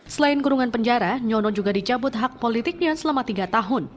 selain kurungan penjara nyono juga dicabut hak politiknya selama tiga tahun